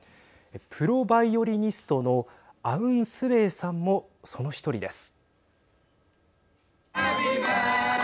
プロ・バイオリニストのアウン・スウェイさんもその１人です。